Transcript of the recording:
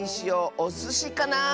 おすしか！